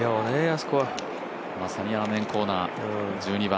まさにアーメンコーナー、１２番。